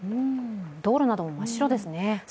道路なども真っ白ですね。